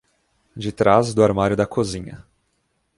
De trás do armário da cozinha.